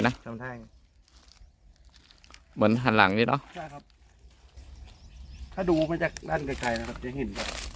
เหมือนหันหลังงี้เนอะถ้าดูไม่จากด้านใกล้นะครับยังเห็น